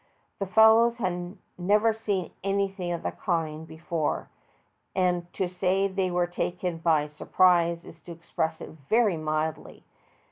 The fellows had never seen anything of the kind before, and to say they were taken by sur prise is to express it very mildty.